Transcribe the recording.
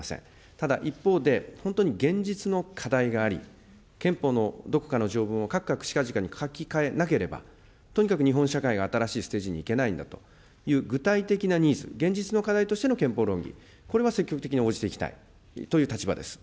ただ、一方で、本当に現実の課題があり、憲法のどこかの条文をかくかくしかじかに書き換えなければ、とにかく日本社会が新しいステージに行けないんだという具体的なニーズ、現実の課題としての憲法論議、これは積極的に応じていきたいという立場です。